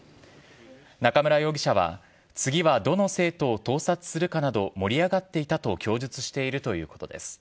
中村容疑者は、次はどの生徒を盗撮するかなど、盛り上がっていたと供述しているということです。